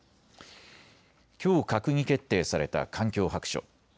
きょう閣議決定された環境白書。